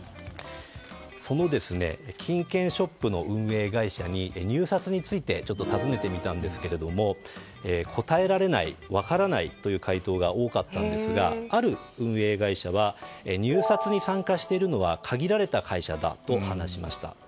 その金券ショップの運営会社に入札について尋ねてみたんですが答えられない、分からないという回答が多かったんですがある運営会社は入札に参加しているのは限られた会社だと話しました。